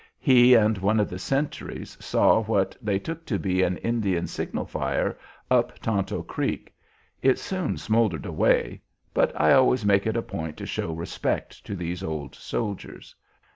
He and one of the sentries saw what they took to be an Indian signal fire up Tonto Creek. It soon smouldered away, but I always make it a point to show respect to these old soldiers."